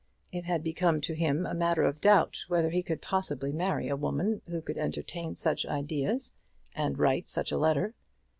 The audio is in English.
It had become to him a matter of doubt whether he could possibly marry a woman who could entertain such ideas and write such a letter.